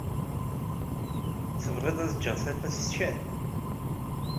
Tebɣiḍ ad ǧǧeɣ tafat tecɛel?